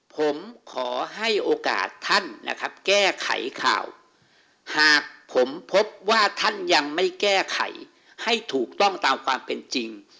ผมขอให้โอกาสท่านนะครับแก้ไขข่าวหากผมพบว่าท่านยังไม่แก้ไขให้ถูกต้องตามความเป็นจริง